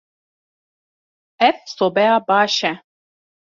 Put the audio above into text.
Ev sobeya baş e.